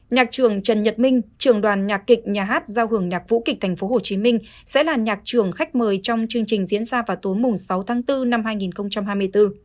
nhạc trường trần nhật minh trường đoàn nhạc kịch nhà hát giao hưởng nhạc vũ kịch tp hcm sẽ là nhạc trường khách mời trong chương trình diễn ra vào tối sáu tháng bốn năm hai nghìn hai mươi bốn